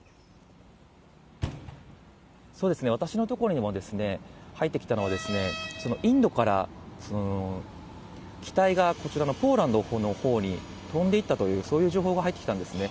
そうですね、私のところにも入って来たのは、インドから機体がこちらのポーランドのほうに飛んでいったというそういう情報が入ってきたんですね。